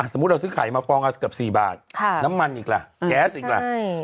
สมมุติเราซื้อไข่มาฟองละเกือบ๔บาทน้ำมันอีกล่ะแก๊สอีกล่ะ